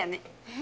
え？